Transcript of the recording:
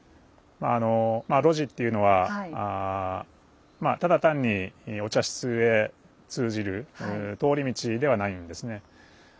あのまあ露地っていうのはただ単にお茶室へ通じる通り道ではないんですね。